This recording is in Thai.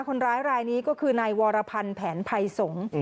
คนร้ายรายนี้ก็คือนายวรพันธ์แผนภัยสงฆ์